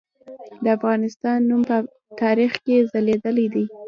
د افغانستان نوم په تاریخ کې ځلیدلی دی.